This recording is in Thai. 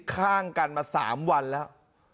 ข้างกันมา๓วันแล้ว